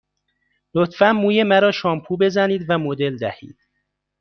لطفاً موی مرا شامپو بزنید و مدل دهید.